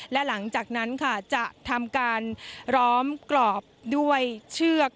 และหลังจากนั้นค่ะจะทำการล้อมกรอบด้วยเชือก